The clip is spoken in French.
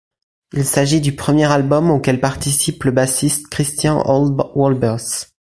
Il s'agit du premier album auquel participe le bassiste Christian Olde Wolbers.